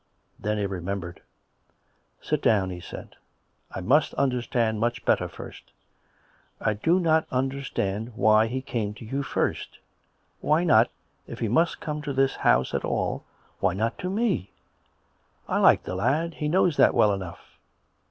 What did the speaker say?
Then he remembered. " Sit down," he said. " I must understand much better first. I do not understand why he came to you first. Why not, if he must come to this house at all — why not to me.'' I like the lad; he knows that well enough."